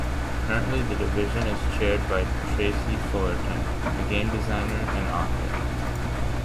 Currently, the division is chaired by Tracy Fullerton, a game designer and author.